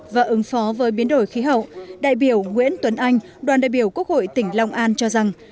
và ứng phó với biến đổi khí hậu đại biểu nguyễn tuấn anh đoàn đại biểu quốc hội tỉnh long an cho rằng